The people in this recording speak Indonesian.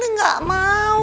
tante gak mau